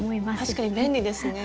確かに便利ですね。